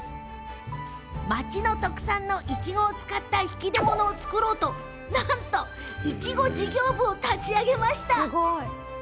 町の特産のいちごを使った引き出物を作ろうといちご事業部を立ち上げました。